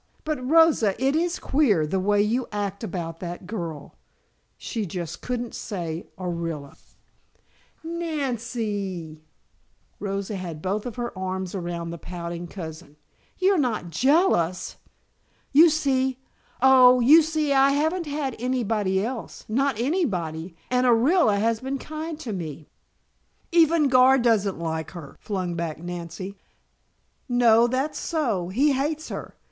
But Rosa, it is queer, the way you act about that girl." She just couldn't say Orilla. "Nan cee." Rosa had both her arms around the pouting cousin. "You're not jealous! You see oh, you see I haven't had any body else; not anybody, and Orilla has been kind to me " "Even Gar doesn't like her," flung back Nancy. "No, that's so. He hates her.